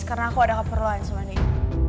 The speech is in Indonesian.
karena aku ada keperluan sama dia